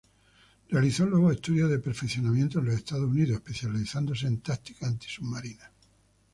Realizó luego estudios de perfeccionamiento en los Estados Unidos, especializándose en tácticas antisubmarinas.